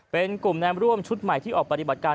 เป็นกลุ่มแนมร่วมชุดใหม่ที่ออกปฏิบัติการ